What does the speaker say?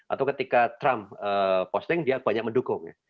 atau ketika trump posting dia banyak mendukung ya